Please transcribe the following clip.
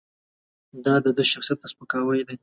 دا د ده شخصیت ته سپکاوی دی.